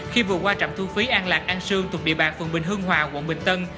khi vừa qua trạm thu phí an lạc an sương thuộc địa bàn phường bình hưng hòa quận bình tân